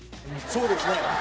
そうですね。